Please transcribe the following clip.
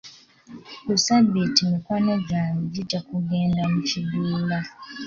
Ku ssabbiiti mikwano gyange gijja kugenda mu kiduula.